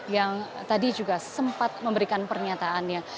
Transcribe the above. yang tadi juga sempat memberikan pernyataannya